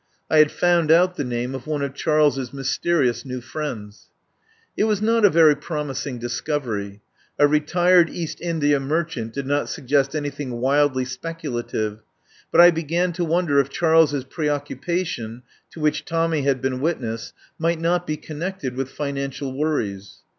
I had found out the name of one of Charles's mysterious new friends. It was not a very promising discovery. A retired East India merchant did not suggest anything wildly speculative, but I began to wonder if Charles's preoccupation, to which Tommy had been witness, might not be con nected with financial worries.